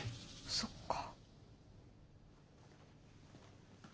そっか。